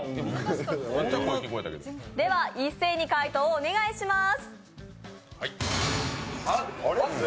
では一斉に解答をお願いします。